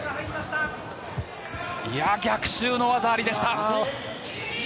逆襲の技ありでした。